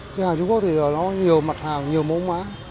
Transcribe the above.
theo hàng trung quốc thì nó nhiều mặt hàng nhiều mẫu mã